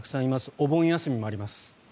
お盆休みもあります。